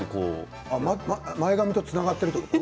前髪とつながっているということ？